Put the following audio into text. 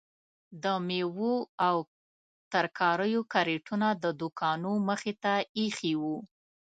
د میوو او ترکاریو کریټونه د دوکانو مخې ته ایښي وو.